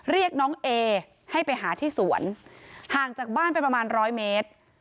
เรียกน้องเอให้ไปหาที่สวนห่างจากบ้านไปประมาณร้อยเมตร